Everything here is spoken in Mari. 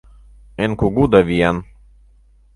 Эн кугу да виян.